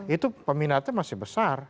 itu peminatnya masih besar